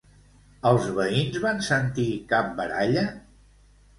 Els veïns van sentir cap baralla?